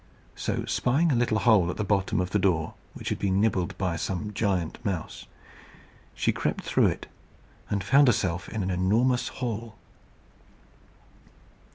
So spying a little hole at the bottom of the door which had been nibbled by some giant mouse, she crept through it, and found herself in an enormous hall.